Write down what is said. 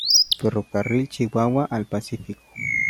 Ferrocarril Chihuahua al Pacífico